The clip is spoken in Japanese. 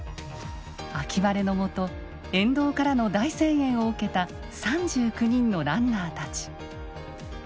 秋晴れのもと沿道からの大声援を受けた３９人のランナーたち。